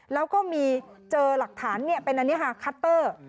แล้วก็มีเจอหลักฐานเป็นอันนี้ค่ะคัตเตอร์